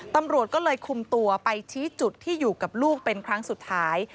ตำรวจก็เลยคุมตัวไปชี้จุดที่อยู่กับลูกเป็นครั้งสุดท้าย